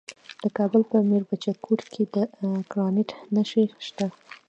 د کابل په میربچه کوټ کې د ګرانیټ نښې شته.